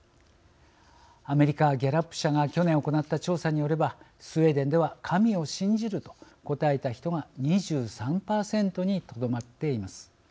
アメリカギャラップ社が去年行った調査によればスウェーデンでは神を信じると答えた人が２３％にとどまっています。